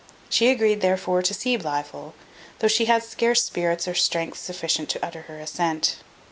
She agreed, therefore, to see Blifil, though she had scarce spirits or strength sufficient to utter her assent.